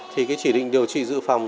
thì cái chỉ định điều trị dự phòng